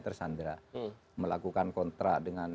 tersandra melakukan kontrak dengan